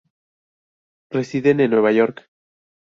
Residen en Nueva York.